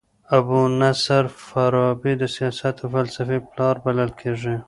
ابو نصر فارابي د سیاست او فلسفې پلار بلل کيږي.